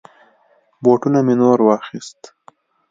بوټونه می نور واخيست.